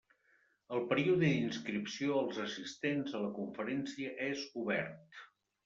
El període d'inscripció als assistents a la conferència és obert.